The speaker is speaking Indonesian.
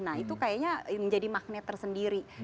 nah itu kayaknya menjadi magnet tersendiri